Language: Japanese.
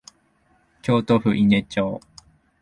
京都府伊根町